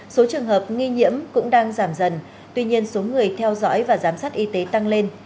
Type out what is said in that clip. số trường hợp nghi nhiễm cũng đang giảm dần tuy nhiên số người theo dõi và giám sát y tế tăng lên